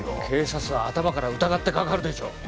警察は頭から疑ってかかるでしょ